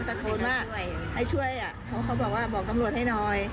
พวกมันก็อย่างไรให้ช่วยเขาบอกว่าบอกกำวดให้หน่อย